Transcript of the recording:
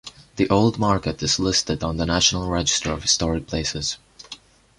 The Old Market is listed on the National Register of Historic Places.